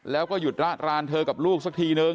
แล้วก็หยุดระรานเธอกับลูกสักทีนึง